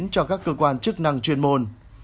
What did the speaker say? cho các cơ quan chức năng chuyên môn